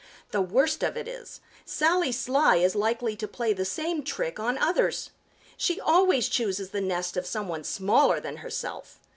The worst of it is, Sally Sly is likely to play the same trick on others. She always chooses the nest of some one smaller than herself.